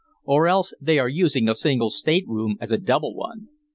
Or else they are using a single stateroom as a double one."